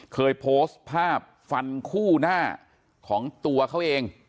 เคยโพสต์ภาพฟันคู่หน้าของตัวเขาเอง